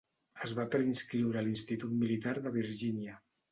Es va preinscriure a l'institut militar de Virginia.